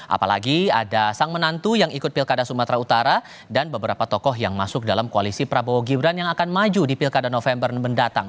apalagi ada sang menantu yang ikut pilkada sumatera utara dan beberapa tokoh yang masuk dalam koalisi prabowo gibran yang akan maju di pilkada november mendatang